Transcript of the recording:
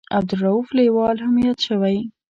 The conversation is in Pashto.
عبدالرووف لیوال هم یاد شوی.